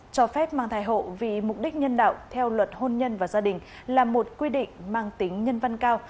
cho phép mang thai hộ vì mục đích nhân đạo theo luật hôn nhân và gia đình là một quy định mang tính nhân văn cao